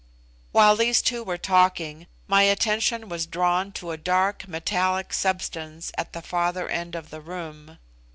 While these two were talking, my attention was drawn to a dark metallic substance at the farther end of the room.